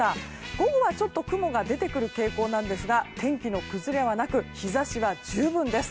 午後はちょっと雲が出てくる傾向なんですが天気の崩れはなく日差しは十分です。